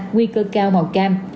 nguy cơ cao màu cam